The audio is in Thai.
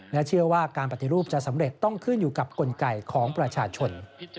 และเชื่อว่าการปฏิรูปจะสำเร็จต้องขึ้นอยู่กับกลไกของประชาชน